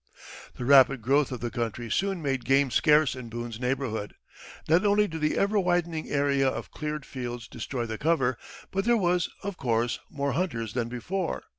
The rapid growth of the country soon made game scarce in Boone's neighborhood. Not only did the ever widening area of cleared fields destroy the cover, but there were, of course, more hunters than before.